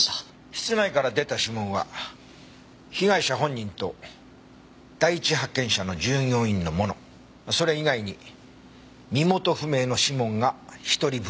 室内から出た指紋は被害者本人と第一発見者の従業員のものそれ以外に身元不明の指紋が１人分。